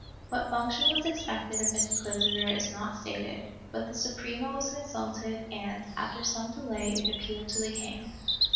What function was expected of an inquisitor is not stated, but the Suprema was consulted and, after some delay it appealed to the king.